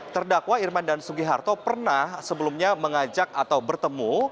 terdakwa irman dan sugiharto pernah sebelumnya mengajak atau bertemu